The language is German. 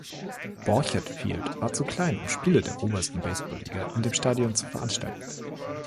Borchert Field war zu klein, um Spiele der obersten Baseball-Liga in dem Stadion zu veranstalten.